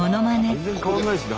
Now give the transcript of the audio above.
全然変わらないですね